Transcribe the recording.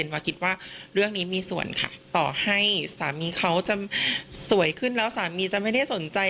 วาคิดว่าเรื่องนี้มีส่วนค่ะต่อให้สามีเขาจะสวยขึ้นแล้วสามีจะไม่ได้สนใจ